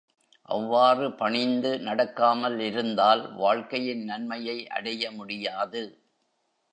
அவ்வாறு பணிந்து நடக்காமலிருந்தால், வாழ்க்கையின் நன்மையை அடைய முடியாது.